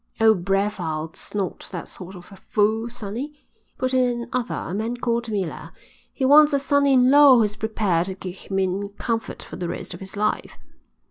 "Old Brevald's not that sort of a fool, sonny," put in another, a man called Miller. "He wants a son in law who's prepared to keep him in comfort for the rest of his life."